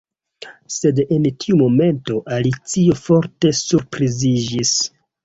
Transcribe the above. Sed en tiu momento Alicio forte surpriziĝis.